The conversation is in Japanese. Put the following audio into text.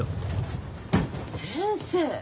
先生！